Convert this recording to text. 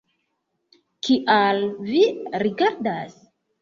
Kial vi rigardas?